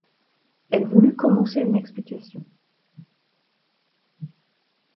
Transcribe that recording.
Elle voulut commencer une explication.